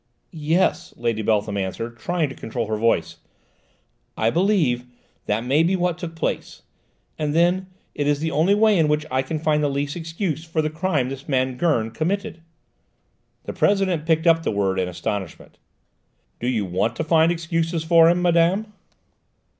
"Yes," Lady Beltham answered, trying to control her voice; "I believe that that may be what took place. And then, it is the only way in which I can find the least excuse for the crime this man Gurn committed." The President picked up the word, in astonishment. "Do you want to find excuses for him, madame?"